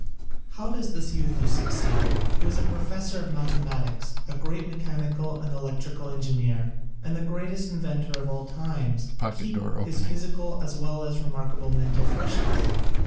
How does this youth of sixty, who is a pro fessor of mathematics, a great mechanical and electrical engineer and the greatest in ventor of all times, keep his physical as well as remarkable mental freshness?